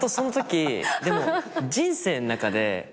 でも人生の中で。